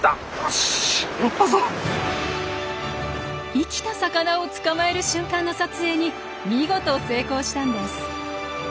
生きた魚を捕まえる瞬間の撮影に見事成功したんです。